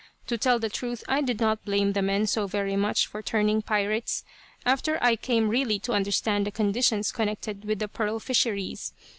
To tell the truth I did not blame the men so very much for turning pirates, after I came really to understand the conditions connected with the pearl fisheries.